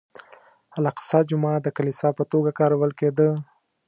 الاقصی جومات د کلیسا په توګه کارول کېده.